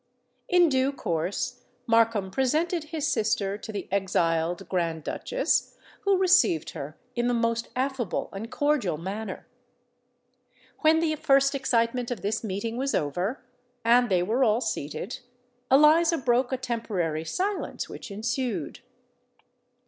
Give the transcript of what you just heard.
In due course Markham presented his sister to the exiled Grand Duchess, who received her in the most affable and cordial manner. When the first excitement of this meeting was over, and they were all seated, Eliza broke a temporary silence which ensued.